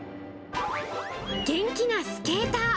元気なスケーター。